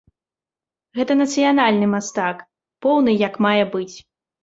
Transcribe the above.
Гэта нацыянальны мастак, поўны як мае быць.